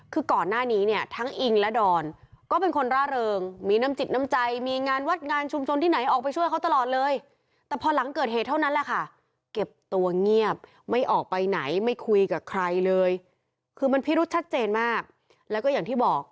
คือมันพี่รุษชัดเจนมากแล้วก็อย่างที่บอก